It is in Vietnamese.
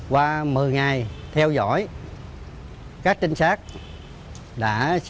qua một mươi ngày theo dõi các trinh sát đã xác định mục tiêu